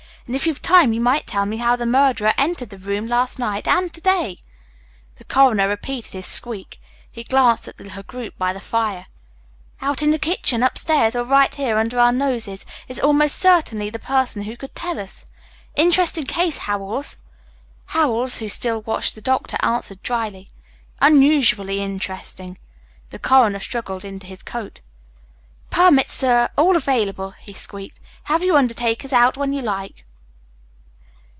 And if you've time you might tell me how the murderer entered the room last night and to day." The coroner repeated his squeak. He glanced at the little group by the fire. "Out in the kitchen, upstairs, or right here under our noses is almost certainly the person who could tell us. Interesting case, Howells!" Howells, who still watched the doctor, answered dryly: "Unusually interesting." The coroner struggled into his coat. "Permits are all available," he squeaked. "Have your undertakers out when you like."